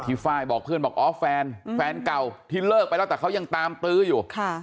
ไฟล์บอกเพื่อนบอกอ๋อแฟนแฟนเก่าที่เลิกไปแล้วแต่เขายังตามตื้ออยู่